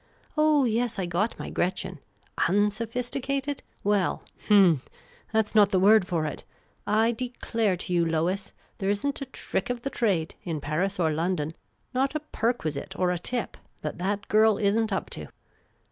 Oh, j'es, I got my Gretchen — unsophisticated ?— well — h'm — that 's not the word for it : I declare to you, Lois, there is n't a trick of the trade, in Paris or London — not a jierquisite or a tip — that that girl is n' t up to.